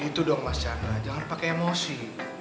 gitu dong mas chandra jangan pake emosi